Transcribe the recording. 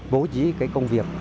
bố trí công việc